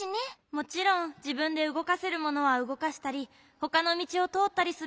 もちろんじぶんでうごかせるものはうごかしたりほかのみちをとおったりすることもあるんだけど